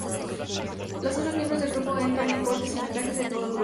Los otros miembros del grupo entran con cortes y vendajes en todo su cuerpo.